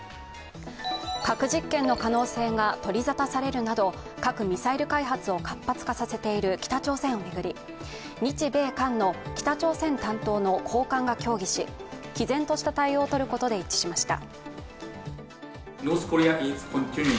核実験の可能性が取り沙汰されるなど核・ミサイル開発を活発化させている北朝鮮を巡り、日米韓の北朝鮮担当の高官が協議し毅然とした対応を取ることで一致しました。